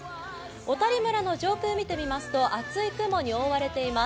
小谷村の上空を見てみますと厚い雲に覆われています。